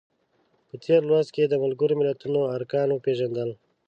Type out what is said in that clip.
په تېر لوست کې د ملګرو ملتونو ارکان وپیژندل.